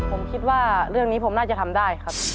ผมคิดว่าเรื่องนี้ผมน่าจะทำได้ครับ